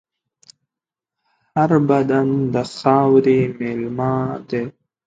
هر بدن د خاورې مېلمه دی.